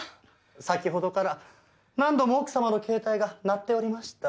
先ほどから何度も奥様の携帯が鳴っておりました。